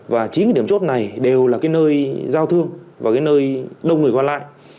và chín cái điểm chốt này đều là cái nơi giao thương và cái nơi đông người quan lại